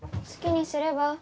好きにすれば？